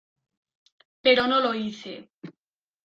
pero no lo hice.